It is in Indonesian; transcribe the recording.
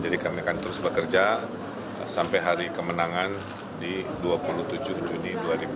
jadi kami akan terus bekerja sampai hari kemenangan di dua puluh tujuh juni dua ribu delapan belas